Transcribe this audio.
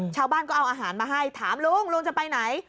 ชาวบ้านก็เอาอาหารมาให้ถามลุงลุงจะไปไหน